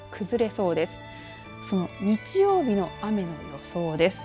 その日曜日の雨の予想です。